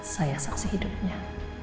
saya saksi hidupnya